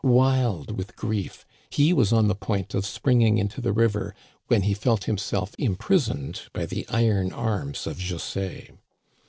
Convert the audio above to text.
Wild with grief, he was on the point of spring ing into the river, when he felt himself imprisoned by the iron arms of José.